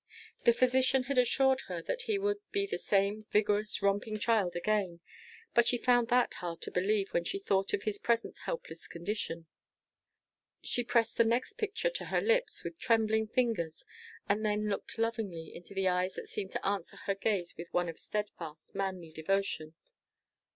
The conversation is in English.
The physician had assured her that he would be the same vigorous, romping child again; but she found that hard to believe when she thought of his present helpless condition. She pressed the next picture to her lips with trembling fingers, and then looked lovingly into the eyes that seemed to answer her gaze with one of steadfast, manly devotion.